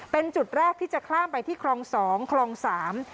เป็นจุดแรกที่จะข้ามไปที่คลองสองคลองสาม